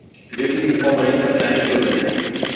Wir dürfen diesen Vorfall nicht auf die leichte Schulter nehmen.